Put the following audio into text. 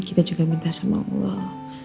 kita juga minta sama allah